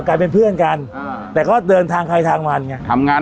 กลายเป็นเพื่อนกันแต่ก็เดินทางใครทางมันไงทำงาน